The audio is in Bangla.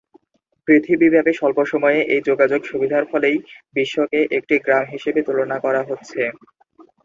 পৃথিবীব্যাপী স্বল্প সময়ে এই যোগাযোগ সুবিধার ফলেই বিশ্বকে একটি গ্রাম হিসেবে তুলনা করা হচ্ছে।